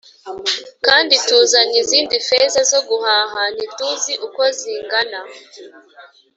Kandi tuzanye izindi feza zo guhaha ntituzi uko zingana